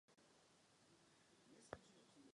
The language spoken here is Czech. Zaměřoval se na dějiny filosofie západní Evropy.